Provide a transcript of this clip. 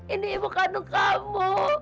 ini ibu kandung kamu